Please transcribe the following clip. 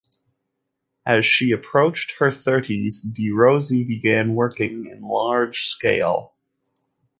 As she approached her thirties, de' Rossi began working in large scale.